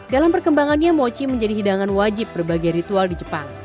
dalam perkembangannya mochi menjadi hidangan wajib berbagai ritual di jepang